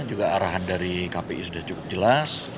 juga arahan dari kpi sudah cukup jelas